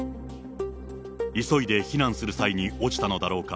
急いで避難する際に落ちたのだろうか。